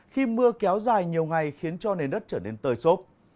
khi mưa kéo dài nhiều ngày khiến cho nền đất trở nên tơi sốt